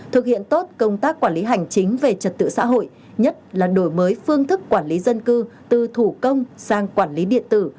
thực hiện tốt công tác quản lý hành chính về trật tự xã hội nhất là đổi mới phương thức quản lý dân cư từ thủ công sang quản lý điện tử